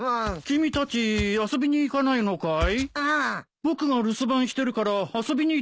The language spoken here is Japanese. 僕が留守番してるから遊びに行ってもいいんだよ。